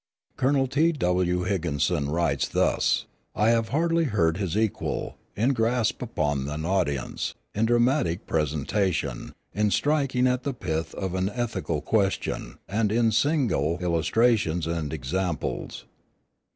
Colonel T.W. Higginson writes thus: "I have hardly heard his equal, in grasp upon an audience, in dramatic presentation, in striking at the pith of an ethical question, and in single [signal] illustrations and examples."